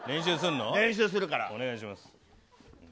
お願いします。